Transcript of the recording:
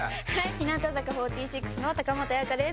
日向坂４６の高本彩花です。